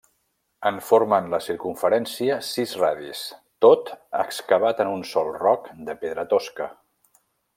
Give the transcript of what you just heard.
En formen la circumferència sis radis, tot excavat en un sol roc de pedra tosca.